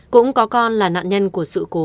cũng có con là nạn nhân của sự cố